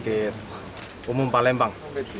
akhirnya umum palembang